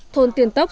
thôn tiền tốc